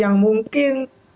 yang tidak mungkin jadi mudah